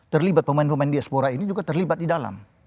terlibat pemain pemain diaspora ini juga terlibat di dalam